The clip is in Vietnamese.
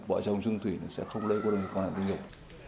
vợ chồng dương thủy sẽ không lấy quan hệ tình dục